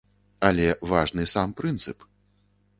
Але важны сам прынцып.